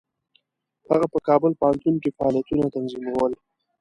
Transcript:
هغه په کابل پوهنتون کې فعالیتونه تنظیمول.